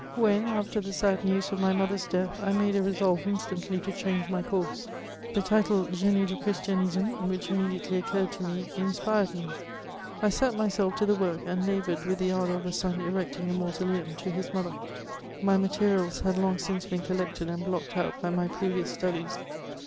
When, after the sad news of my motber's death, I made a resolye instantly to change my course, the title Grenie du Christianisme, which immediately occurred to me, inspired me ; I set myself to the work, and laboured with the anlour of a son erecting a mausoleum to his mother. My materials had long since been collected and blocked out by my previous studies.